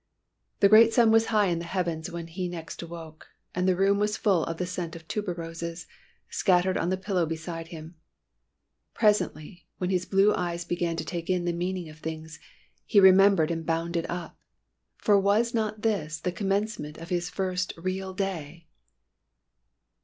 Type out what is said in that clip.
The great sun was high in the heavens when next he awoke. And the room was full of the scent of tuberoses, scattered on the pillow beside him. Presently, when his blue eyes began to take in the meaning of things, he remembered and bounded up. For was not this the commencement of his first real day?